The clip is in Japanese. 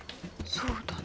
そうだな。